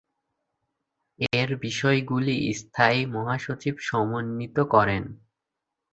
এর বিষয়গুলি স্থায়ী মহাসচিব সমন্বিত করেন।